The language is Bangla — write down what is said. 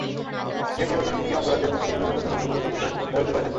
সিনেট নির্বাচনে প্রতিটি অঙ্গরাজ্যের ভিন্ন ভিন্ন জনগুরুত্বপূর্ণ বিষয় ব্যালট পেপারে থাকবে।